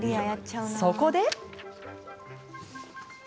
そこで！